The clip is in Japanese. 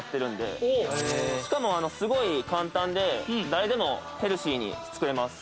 しかもすごい簡単で誰でもヘルシーに作れます。